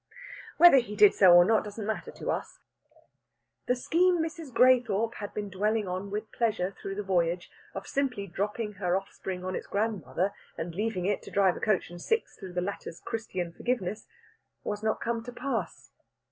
Whether he did so or not doesn't matter to us. The scheme Mrs. Graythorpe had been dwelling on with pleasure through the voyage of simply dropping her offspring on its grandmother, and leaving it to drive a coach and six through the latter's Christian forgiveness, was not to come to pass.